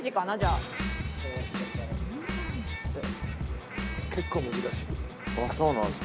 ああそうなんですか？